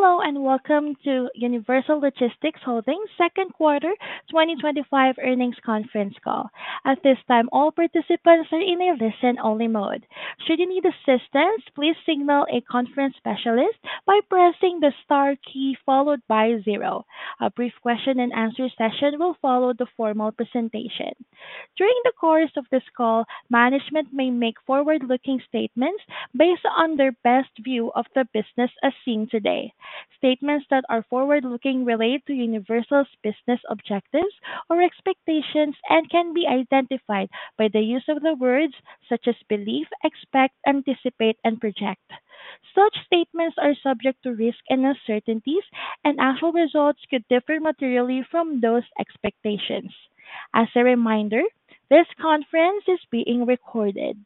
Hello and welcome to Universal Logistics Holdings' second quarter 2025 earnings conference call. At this time, all participants are in a listen-only mode. Should you need assistance, please signal a conference specialist by pressing the star key followed by zero. A brief question-and-answer session will follow the formal presentation. During the course of this call, management may make forward-looking statements based on their best view of the business as seen today. Statements that are forward-looking relate to Universal's business objectives or expectations and can be identified by the use of the words such as belief, expect, anticipate, and project. Such statements are subject to risk and uncertainties, and actual results could differ materially from those expectations. As a reminder, this conference is being recorded.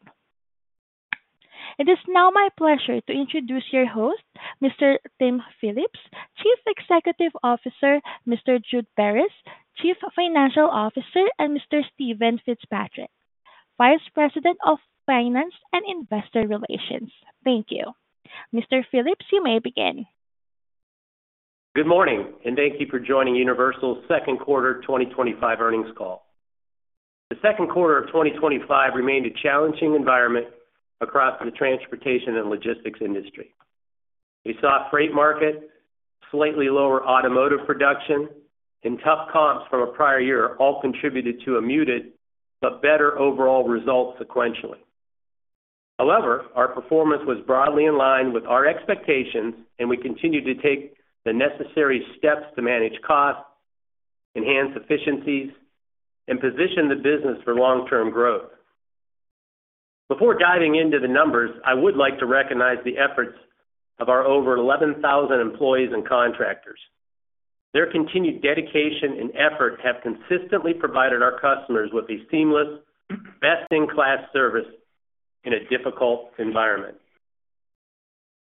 It is now my pleasure to introduce your host, Mr. Tim Phillips, Chief Executive Officer, Mr. Jude Beres, Chief Financial Officer, and Mr.Steven Fitzpatrick, Vice President of Finance and Investor Relations. Thank you. Mr. Phillips, you may begin. Good morning, and thank you for joining Universal's second quarter 2025 earnings call. The second quarter of 2025 remained a challenging environment across the transportation and logistics industry. We saw a freight market, slightly lower automotive production, and tough comps from a prior year all contributed to a muted but better overall result sequentially. However, our performance was broadly in line with our expectations, and we continued to take the necessary steps to manage costs, enhance efficiencies, and position the business for long-term growth. Before diving into the numbers, I would like to recognize the efforts of our over 11,000 employees and contractors. Their continued dedication and effort have consistently provided our customers with a seamless, best-in-class service in a difficult environment.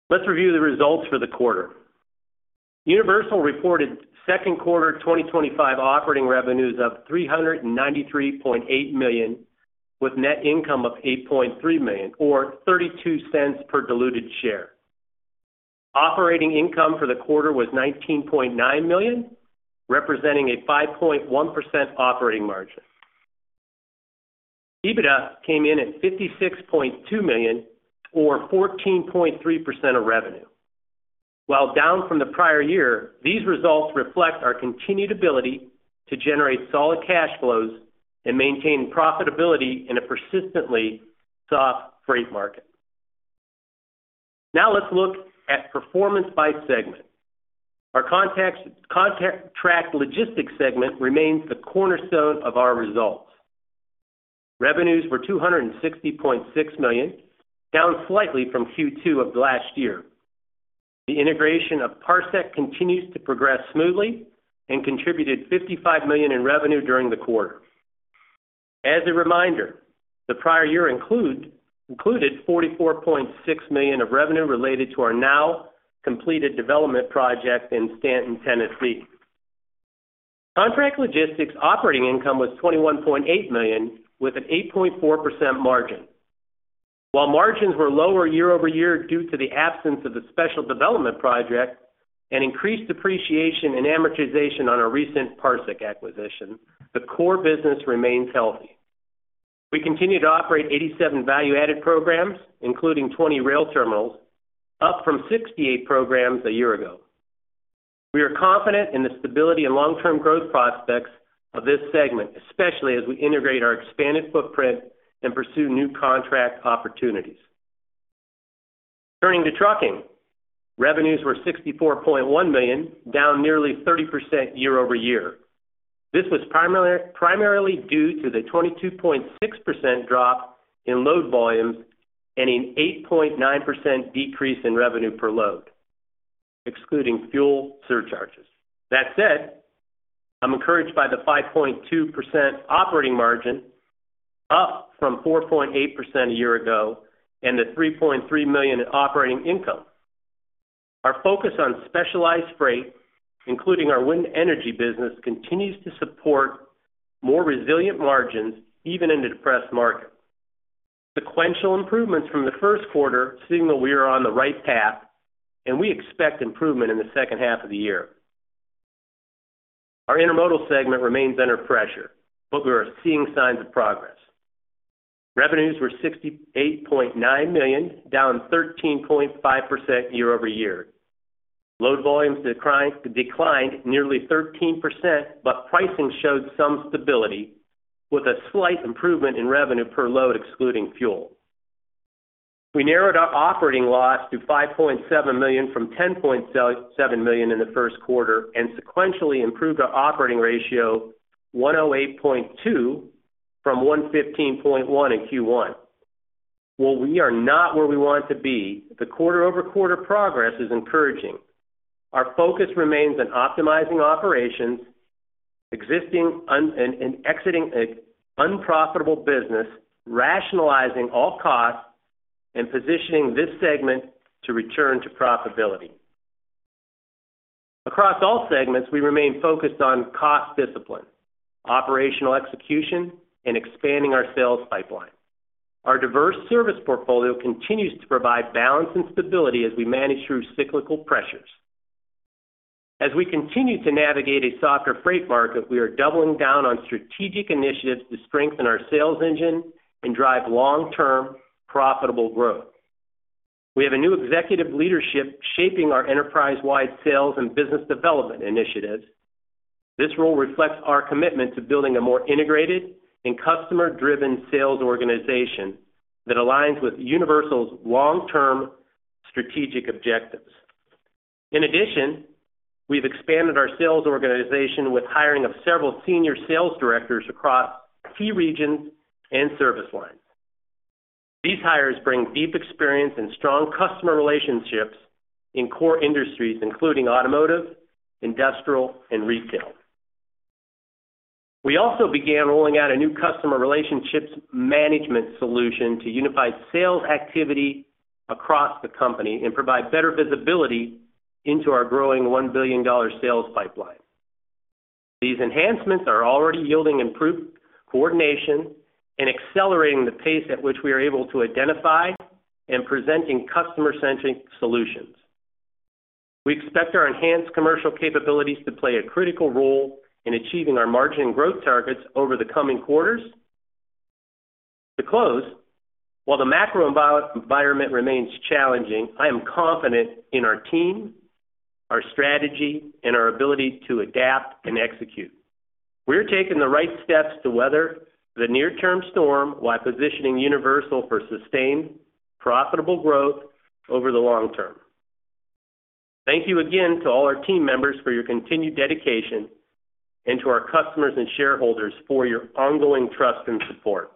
Let's review the results for the quarter. Universal reported second quarter 2025 operating revenues of $393.8 million with net income of $8.3 million or $0.32 per diluted share. Operating income for the quarter was $19.9 million, representing a 5.1% operating margin. EBITDA came in at $56.2 million or 14.3% of revenue. While down from the prior year, these results reflect our continued ability to generate solid cash flows and maintain profitability in a persistently soft freight market. Now let's look at performance by segment. Our contract logistics segment remains the cornerstone of our results. Revenues were $260.6 million, down slightly from Q2 of last year. The integration of Parsec continues to progress smoothly and contributed $55 million in revenue during the quarter. As a reminder, the prior year included $44.6 million of revenue related to our now completed development project in Stanton Tennant Reed. Contract logistics operating income was $21.8 million with an 8.4% margin. While margins were lower year-over-year due to the absence of the special development project and increased depreciation and amortization on our recent Parsec acquisition, the core business remains healthy. We continue to operate 87 value-added programs, including 20 rail terminals, up from 68 programs a year ago. We are confident in the stability and long-term growth prospects of this segment, especially as we integrate our expanded footprint and pursue new contract opportunities. Turning to trucking, revenues were $64.1 million, down nearly 30% year-over-year. This was primarily due to the 22.6% drop in load volumes and an 8.9% decrease in revenue per load, excluding fuel surcharges. That said, I'm encouraged by the 5.2% operating margin, up from 4.8% a year ago, and the $3.3 million operating income. Our focus on specialized freight, including our wind energy business, continues to support more resilient margins even in a depressed market. Sequential improvements from the first quarter signal we are on the right path, and we expect improvement in the second half of the year. Our intermodal segment remains under pressure, but we are seeing signs of progress. Revenues were $68.9 million, down 13.5% year-over-year. Load volumes declined nearly 13%, but pricing showed some stability with a slight improvement in revenue per load, excluding fuel. We narrowed our operating loss to $5.7 million from $10.7 million in the first quarter and sequentially improved our operating ratio to 108.2 from 115.1 in Q1. While we are not where we want to be, the quarter-over-quarter progress is encouraging. Our focus remains on optimizing operations, exiting an unprofitable business, rationalizing all costs, and positioning this segment to return to profitability. Across all segments, we remain focused on cost discipline, operational execution, and expanding our sales pipeline. Our diverse service portfolio continues to provide balance and stability as we manage through cyclical pressures. As we continue to navigate a softer freight market, we are doubling down on strategic initiatives to strengthen our sales engine and drive long-term profitable growth. We have a new executive leadership shaping our enterprise-wide sales and business development initiatives. This role reflects our commitment to building a more integrated and customer-driven sales organization that aligns with Universal's long-term strategic objectives. In addition, we've expanded our sales organization with hiring of several Senior Sales Directors across key regions and service lines. These hires bring deep experience and strong customer relationships in core industries, including automotive, industrial, and retail. We also began rolling out a new customer relationship management solution to unify sales activity across the company and provide better visibility into our growing $1 billion sales pipeline. These enhancements are already yielding improved coordination and accelerating the pace at which we are able to identify and present customer-centric solutions. We expect our enhanced commercial capabilities to play a critical role in achieving our margin growth targets over the coming quarters. To close, while the macro environment remains challenging, I am confident in our team, our strategy, and our ability to adapt and execute. We're taking the right steps to weather the near-term storm while positioning Universal for sustained profitable growth over the long term. Thank you again to all our team members for your continued dedication and to our customers and shareholders for your ongoing trust and support.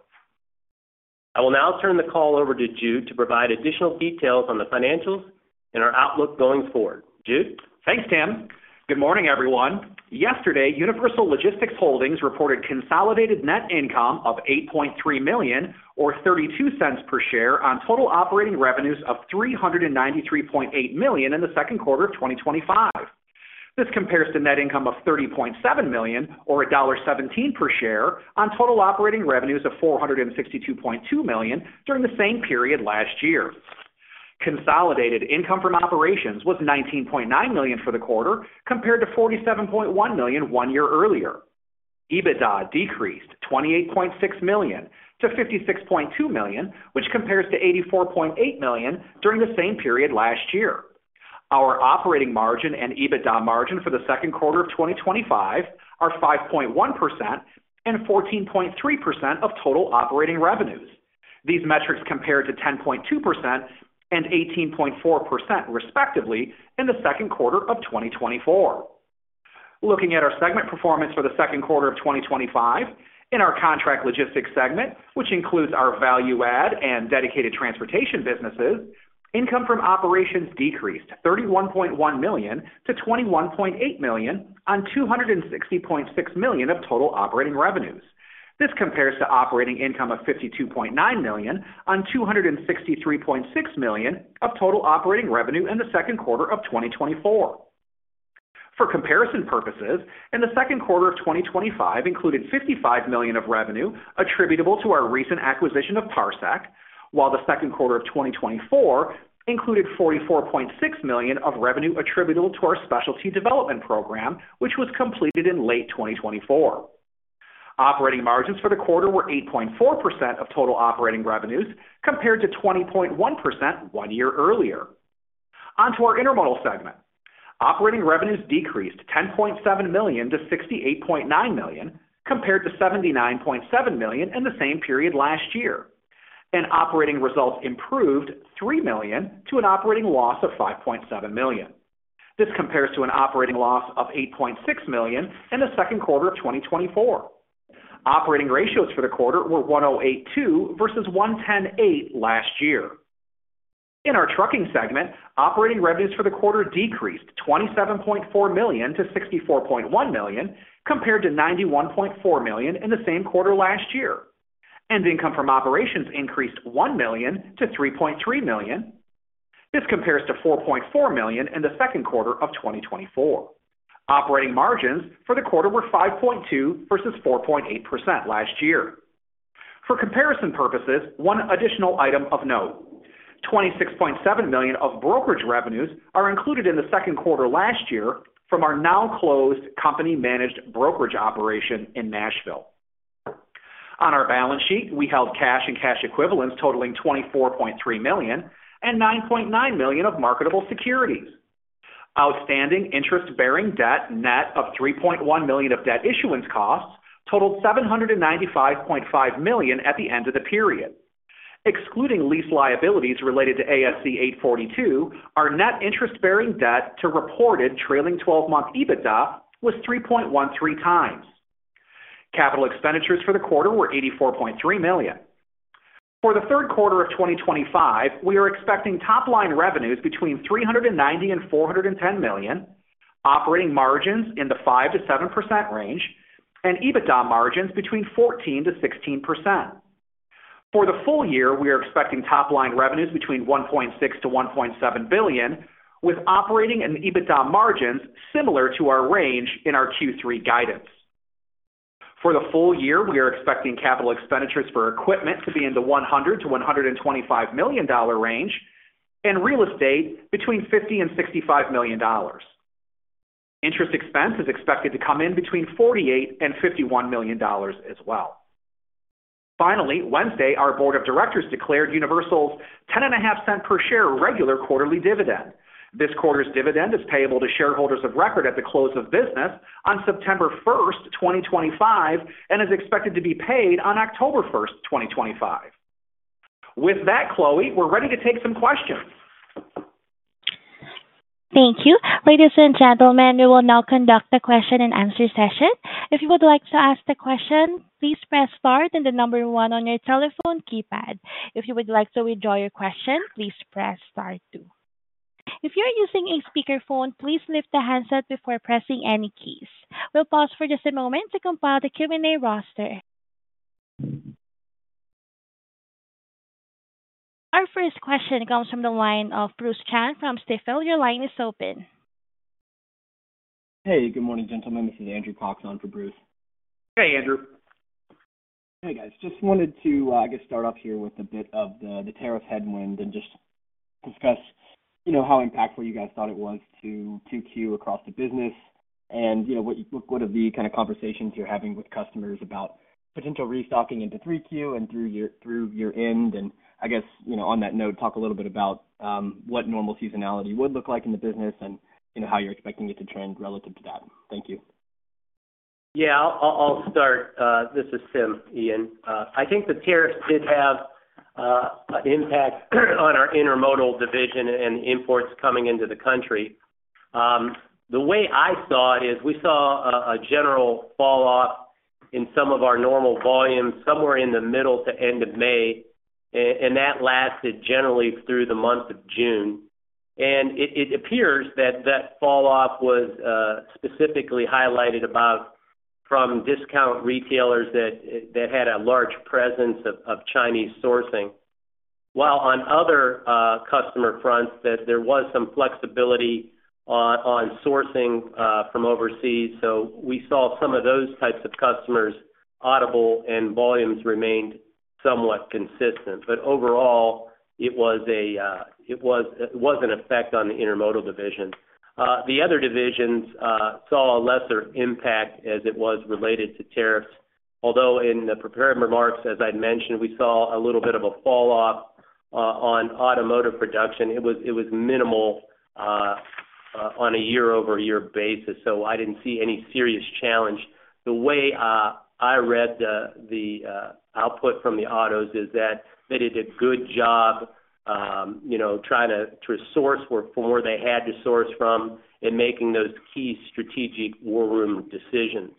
I will now turn the call over to Jude to provide additional details on the financials and our outlook going forward. Jude. Thanks, Tim. Good morning, everyone. Yesterday, Universal Logistics Holdings reported consolidated net income of $8.3 million or $0.32 per diluted share on total operating revenues of $393.8 million in the second quarter of 2025. This compares to net income of $30.7 million or $1.17 per diluted share on total operating revenues of $462.2 million during the same period last year. Consolidated income from operations was $19.9 million for the quarter compared to $47.1 million one year earlier. EBITDA decreased $28.6 million-$56.2 million, which compares to $84.8 million during the same period last year. Our operating margin and EBITDA margin for the second quarter of 2025 are 5.1% and 14.3% of total operating revenues. These metrics compared to 10.2% and 18.4% respectively in the second quarter of 2024. Looking at our segment performance for the second quarter of 2025, in our contract logistics segment, which includes our value-add and dedicated transportation businesses, income from operations decreased $31.1 million-$21.8 million on $260.6 million of total operating revenues. This compares to operating income of $52.9 million on $263.6 million of total operating revenues in the second quarter of 2024. For comparison purposes, the second quarter of 2025 included $55 million of revenue attributable to our recent acquisition of Parsec, while the second quarter of 2024 included $44.6 million of revenue attributable to our specialty development program, which was completed in late 2024. Operating margins for the quarter were 8.4% of total operating revenues compared to 20.1% one year earlier. Onto our intermodal segment, operating revenues decreased $10.7 million-$68.9 million compared to $79.7 million in the same period last year, and operating results improved $3 million to an operating loss of $5.7 million. This compares to an operating loss of $8.6 million in the second quarter of 2024. Operating ratios for the quarter were 108.2 versus 110.8 last year. In our trucking segment, operating revenues for the quarter decreased $27.4 million-$64.1 million compared to $91.4 million in the same quarter last year, and income from operations increased $1 million to $3.3 million. This compares to $4.4 million in the second quarter of 2024. Operating margins for the quarter were 5.2% versus 4.8% last year. For comparison purposes, one additional item of note: $26.7 million of brokerage revenues are included in the second quarter last year from our now closed company-managed brokerage operation in Nashville. On our balance sheet, we held cash and cash equivalents totaling $24.3 million and $9.9 million of marketable securities. Outstanding interest-bearing debt net of $3.1 million of debt issuance costs totaled $795.5 million at the end of the period. Excluding lease liabilities related to ASC 842, our net interest-bearing debt to reported trailing 12-month EBITDA was 3.13x. Capital expenditures for the quarter were $84.3 million. For the third quarter of 2025, we are expecting top-line revenues between $390 and $410 million, operating margins in the 5%-7% range, and EBITDA margins between 14%-16%. For the full year, we are expecting top-line revenues between $1.6 billion-$1.7 billion, with operating and EBITDA margins similar to our range in our Q3 guidance. For the full year, we are expecting capital expenditures for equipment to be in the $100 million-$125 million range and real estate between $50 and $65 million. Interest expense is expected to come in between $48 and $51 million as well. Finally, Wednesday, our Board of Directors declared Universal's $0.105 per share regular quarterly dividend. This quarter's dividend is payable to shareholders of record at the close of business on September 1, 2025, and is expected to be paid on October 1, 2025. With that, Chloe, we're ready to take some questions. Thank you. Ladies and gentlemen, we will now conduct the question-and-answer session. If you would like to ask a question, please press star and the number one on your telephone keypad. If you would like to withdraw your question, please press star two. If you're using a speakerphone, please lift the handset before pressing any keys. We'll pause for just a moment to compile the Q&A roster. Our first question comes from the line of Bruce Chan from Stifel. Your line is open. Hey, good morning, gentlemen. This is Andrew Cox on for Bruce. Hey, Andrew. Hey, guys. Just wanted to start off here with a bit of the tariff headwind and discuss how impactful you guys thought it was to 2Q across the business and what are the kind of conversations you're having with customers about potential restocking into 3Q and through year end. On that note, talk a little bit about what normal seasonality would look like in the business and how you're expecting it to trend relative to that. Thank you. Yeah, I'll start. This is Steven. I think the tariffs did have an impact on our intermodal division and imports coming into the country. The way I saw it is we saw a general falloff in some of our normal volumes somewhere in the middle to end of May, and that lasted generally through the month of June. It appears that that falloff was specifically highlighted from discount retailers that had a large presence of Chinese sourcing, while on other customer fronts there was some flexibility on sourcing from overseas. We saw some of those types of customers audible, and volumes remained somewhat consistent. Overall, it was an effect on the intermodal divisions. The other divisions saw a lesser impact as it was related to tariffs. Although in the prepared remarks, as I mentioned, we saw a little bit of a falloff on automotive production. It was minimal on a year-over-year basis. I didn't see any serious challenge. The way I read the output from the autos is that they did a good job, you know, trying to source where they had to source from and making those key strategic war room decisions.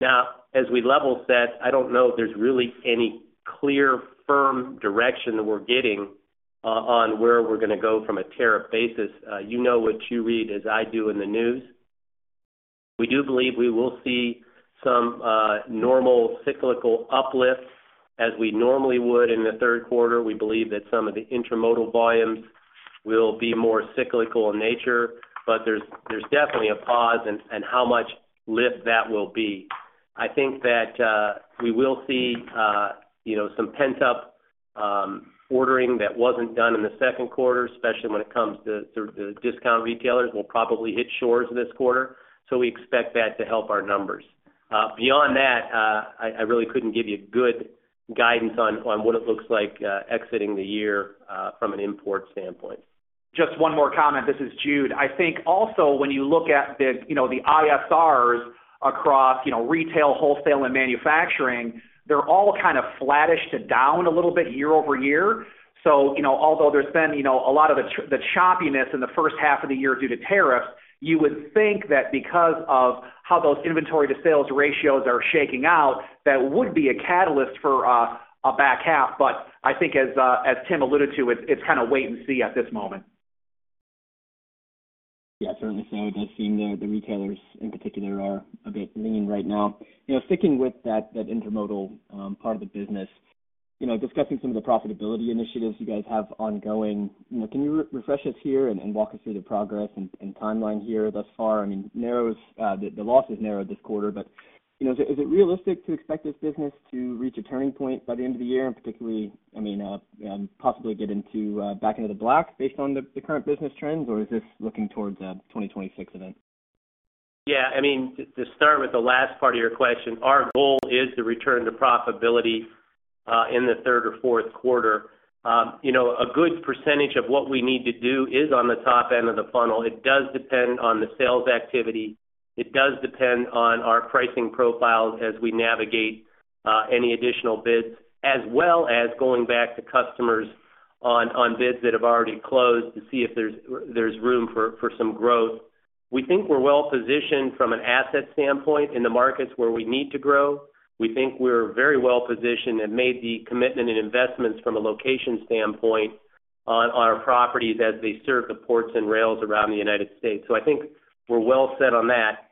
Now, as we level set, I don't know if there's really any clear, firm direction that we're getting on where we're going to go from a tariff basis. You know what you read, as I do, in the news. We do believe we will see some normal cyclical uplifts as we normally would in the third quarter. We believe that some of the intermodal volumes will be more cyclical in nature, but there's definitely a pause in how much lift that will be. I think that we will see, you know, some pent-up ordering that wasn't done in the second quarter, especially when it comes to the discount retailers will probably hit shores this quarter. We expect that to help our numbers. Beyond that, I really couldn't give you good guidance on what it looks like exiting the year from an import standpoint. Just one more comment. This is Jude. I think also when you look at the ISRs across retail, wholesale, and manufacturing, they're all kind of flattish to down a little bit year-over-year. Although there's been a lot of the choppiness in the first half of the year due to tariffs, you would think that because of how those inventory to sales ratios are shaking out, that would be a catalyst for a back out. I think, as Tim alluded to, it's kind of wait and see at this moment. Yeah, certainly, Steven, it does seem that the retailers in particular are a bit lean right now. You know, sticking with that intermodal part of the business, discussing some of the profitability initiatives you guys have ongoing, can you refresh us here and walk us through the progress and timeline here thus far? I mean, the loss is narrow this quarter, but is it realistic to expect this business to reach a turning point by the end of the year and particularly, possibly get back into the black based on the current business trends, or is this looking towards a 2026 event? Yeah, I mean, to start with the last part of your question, our goal is to return to profitability in the third or fourth quarter. A good percentage of what we need to do is on the top end of the funnel. It does depend on the sales activity. It does depend on our pricing profiles as we navigate any additional bids, as well as going back to customers on bids that have already closed to see if there's room for some growth. We think we're well positioned from an asset standpoint in the markets where we need to grow. We think we're very well positioned and made the commitment in investments from a location standpoint on our properties as they serve the ports and rails around the United States. I think we're well set on that.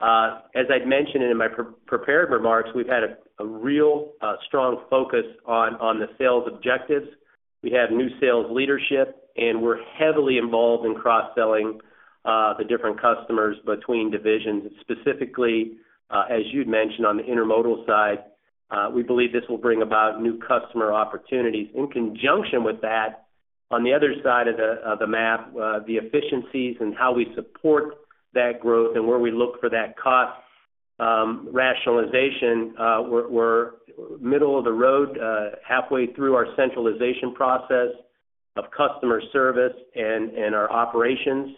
As I mentioned in my prepared remarks, we've had a real strong focus on the sales objectives. We have new sales leadership, and we're heavily involved in cross-selling the different customers between divisions. Specifically, as you'd mentioned on the intermodal side, we believe this will bring about new customer opportunities. In conjunction with that, on the other side of the map, the efficiencies and how we support that growth and where we look for that cost rationalization, we're middle of the road, halfway through our centralization process of customer service and our operations.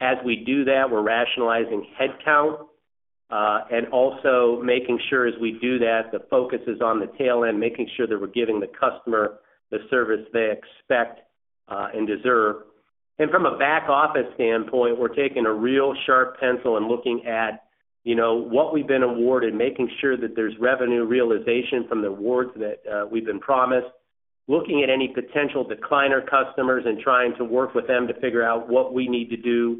As we do that, we're rationalizing headcount and also making sure as we do that, the focus is on the tail end, making sure that we're giving the customer the service they expect and deserve. From a back-office standpoint, we're taking a real sharp pencil and looking at what we've been awarded, making sure that there's revenue realization from the awards that we've been promised, looking at any potential decliner customers and trying to work with them to figure out what we need to do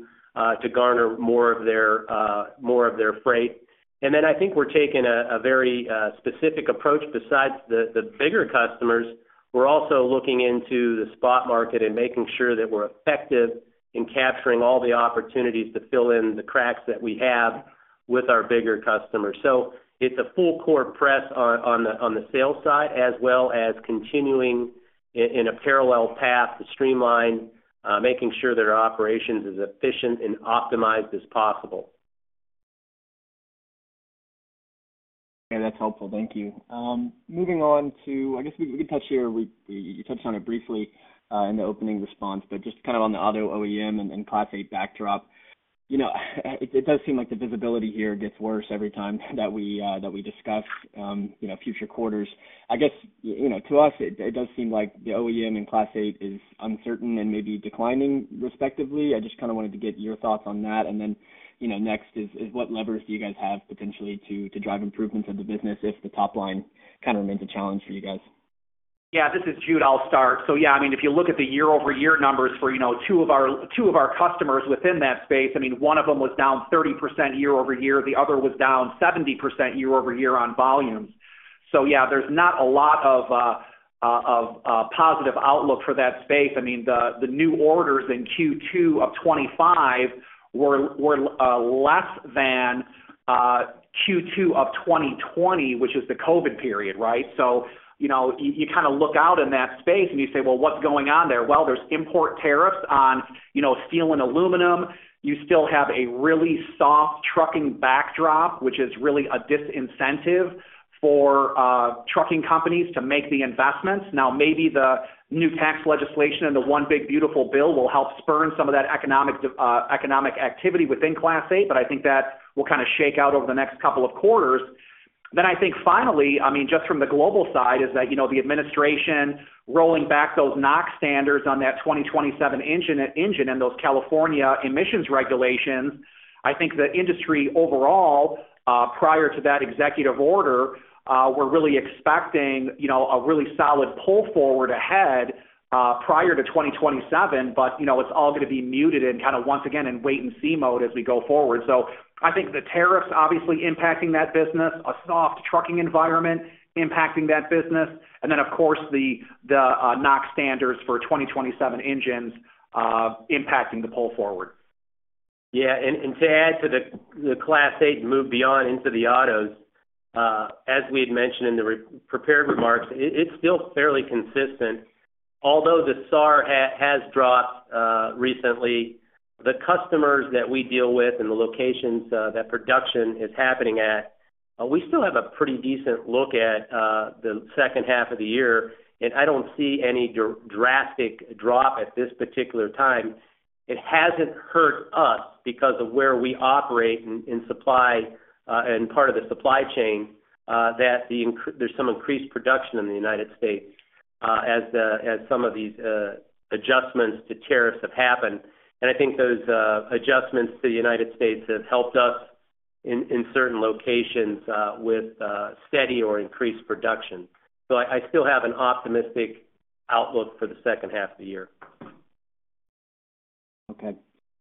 to garner more of their freight. I think we're taking a very specific approach besides the bigger customers. We're also looking into the spot market and making sure that we're effective in capturing all the opportunities to fill in the cracks that we have with our bigger customers. It's a full-court press on the sales side as well as continuing in a parallel path to streamline, making sure that our operations are as efficient and optimized as possible. Yeah, that's helpful. Thank you. Moving on to, I guess we can touch here, you touched on it briefly in the opening response, just kind of on the auto OEM and Class 8 backdrop. It does seem like the visibility here gets worse every time that we discuss future quarters. I guess, to us, it does seem like the OEM and Class 8 is uncertain and maybe declining respectively. I just kind of wanted to get your thoughts on that. Next is what levers do you guys have potentially to drive improvements of the business if the top line kind of remains a challenge for you guys? Yeah, this is Jude. I'll start. If you look at the year-over-year numbers for two of our customers within that space, one of them was down 30% year-over-year. The other was down 70% year-over-year on volumes. There's not a lot of positive outlook for that space. The new orders in Q2 of 2025 were less than Q2 of 2020, which is the COVID period, right? You kind of look out in that space and you say, what's going on there? There are import tariffs on steel and aluminum. You still have a really soft trucking backdrop, which is really a disincentive for trucking companies to make the investments. Maybe the new tax legislation and the one big beautiful bill will help spurn some of that economic activity within class eight, but I think that will kind of shake out over the next couple of quarters. Finally, just from the global side, the administration is rolling back those NOx standards on that 2027 engine and those California emissions regulations. I think the industry overall, prior to that executive order, was really expecting a really solid pull forward ahead prior to 2027. It's all going to be muted and kind of once again in wait-and-see mode as we go forward. The tariffs are obviously impacting that business, a soft trucking environment is impacting that business, and then, of course, the NOx standards for 2027 engines are impacting the pull forward. Yeah, to add to the class eight and move beyond into the autos, as we had mentioned in the prepared remarks, it's still fairly consistent. Although the SAR has dropped recently, the customers that we deal with and the locations that production is happening at, we still have a pretty decent look at the second half of the year. I don't see any drastic drop at this particular time. It hasn't hurt us because of where we operate in supply and part of the supply chain that there's some increased production in the U.S. as some of these adjustments to tariffs have happened. I think those adjustments to the U.S. have helped us in certain locations with steady or increased production. I still have an optimistic outlook for the second half of the year. Okay,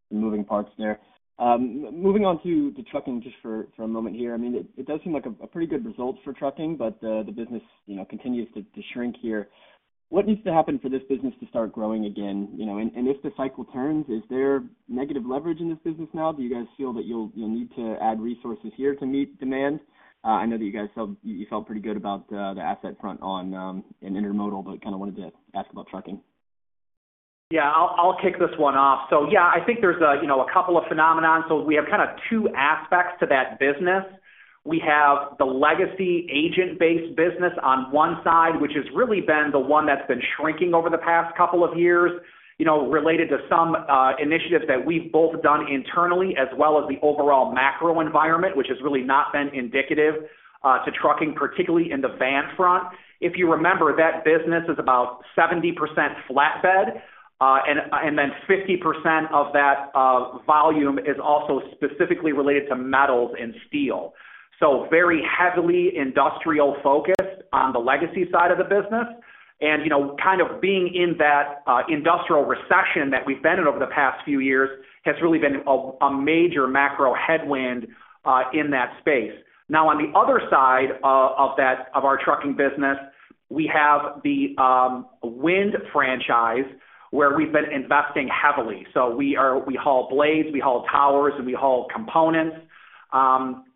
some moving parts there. Moving on to trucking just for a moment here, it does seem like a pretty good result for trucking, but the business continues to shrink here. What needs to happen for this business to start growing again? If the cycle turns, is there negative leverage in this business now? Do you guys feel that you'll need to add resources here to meet demand? I know that you guys felt pretty good about the asset front on intermodal, but kind of wanted to ask about trucking. Yeah, I'll kick this one off. I think there's a couple of phenomena. We have kind of two aspects to that business. We have the legacy agent-based business on one side, which has really been the one that's been shrinking over the past couple of years, related to some initiatives that we've both done internally, as well as the overall macro environment, which has really not been indicative to trucking, particularly in the van front. If you remember, that business is about 70% flatbed, and then 50% of that volume is also specifically related to metals and steel. Very heavily industrial focused on the legacy side of the business. Kind of being in that industrial recession that we've been in over the past few years has really been a major macro headwind in that space. On the other side of our trucking business, we have the wind franchise where we've been investing heavily. We haul blades, we haul towers, and we haul components.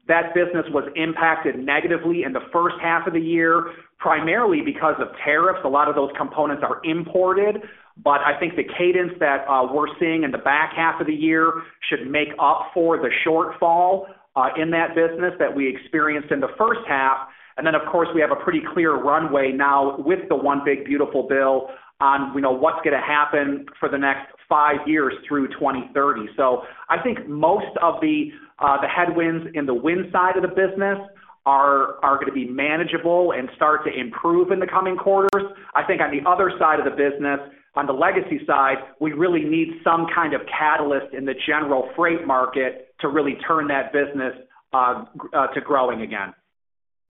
That business was impacted negatively in the first half of the year, primarily because of tariffs. A lot of those components are imported. I think the cadence that we're seeing in the back half of the year should make up for the shortfall in that business that we experienced in the first half. Of course, we have a pretty clear runway now with the one big beautiful bill on what's going to happen for the next five years through 2030. I think most of the headwinds in the wind side of the business are going to be manageable and start to improve in the coming quarters. I think on the other side of the business, on the legacy side, we really need some kind of catalyst in the general freight market to really turn that business to growing again.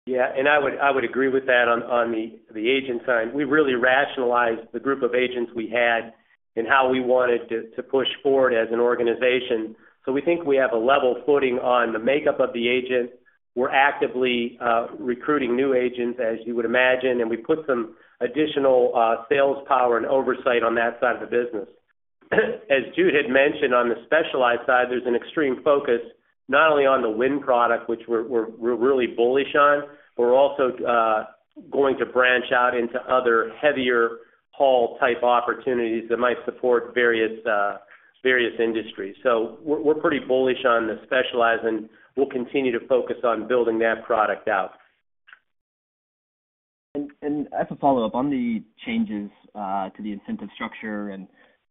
Yeah, and I would agree with that on the agent side. We really rationalized the group of agents we had and how we wanted to push forward as an organization. We think we have a level footing on the makeup of the agent. We're actively recruiting new agents, as you would imagine, and we put some additional sales power and oversight on that side of the business. As Jude had mentioned, on the specialized side, there's an extreme focus not only on the wind product, which we're really bullish on, but we're also going to branch out into other heavier haul type opportunities that might support various industries. We're pretty bullish on the specialized, and we'll continue to focus on building that product out. I have a follow-up on the changes to the incentive structure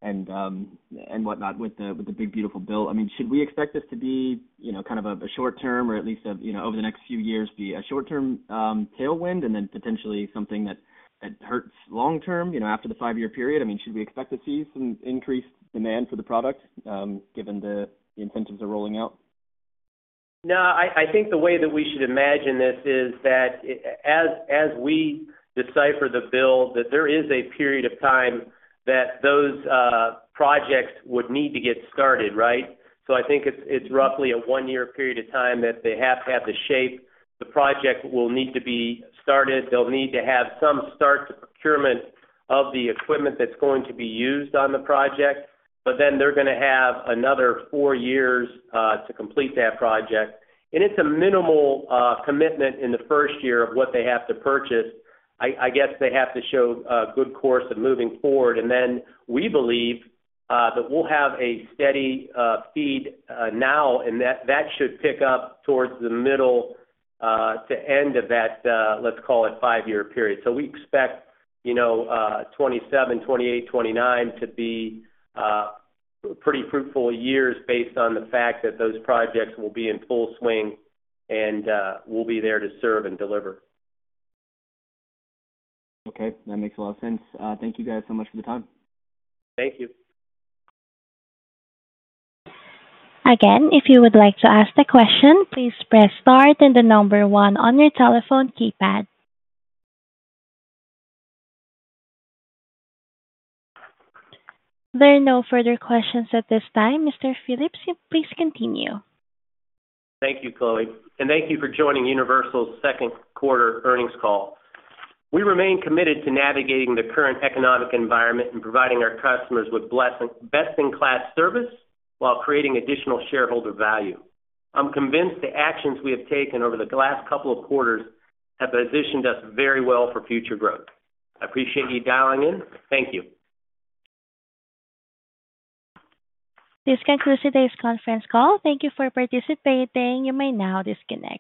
and whatnot with the one big beautiful bill. Should we expect this to be, you know, kind of a short term, or at least over the next few years, be a short-term tailwind and then potentially something that hurts long-term, you know, after the five-year period? Should we expect to see some increased demand for the product given the incentives are rolling out? No, I think the way that we should imagine this is that as we decipher the bill, there is a period of time that those projects would need to get started, right? I think it's roughly a one-year period of time that they have to have to shape the project that will need to be started. They'll need to have some start procurement of the equipment that's going to be used on the project. They're going to have another four years to complete that project. It's a minimal commitment in the first year of what they have to purchase. I guess they have to show a good course of moving forward. We believe that we'll have a steady feed now, and that should pick up towards the middle to end of that, let's call it, five-year period. We expect, you know, 2027, 2028, 2029 to be pretty fruitful years based on the fact that those projects will be in full swing and we'll be there to serve and deliver. Okay, that makes a lot of sense. Thank you guys so much for the time. Thank you. Again, if you would like to ask the question, please press star and the number one on your telephone keypad. There are no further questions at this time. Mr. Phillips, you may please continue. Thank you, Chloe, and thank you for joining Universal Logistics Holdings' second quarter earnings call. We remain committed to navigating the current economic environment and providing our customers with best-in-class service while creating additional shareholder value. I'm convinced the actions we have taken over the last couple of quarters have positioned us very well for future growth. I appreciate you dialing in. Thank you. This concludes today's conference call. Thank you for participating. You may now disconnect.